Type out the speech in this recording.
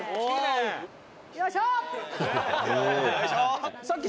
「よいしょ！」